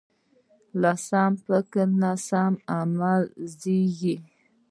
له سم فکر نه سم عمل زېږي.